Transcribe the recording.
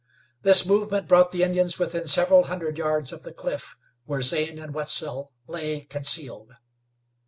This movement brought the Indians within several hundred yards of the cliff where Zane and Wetzel lay concealed.